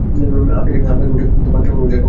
আমরা কি ওটাকে মারতে পারবো, জ্যাকব?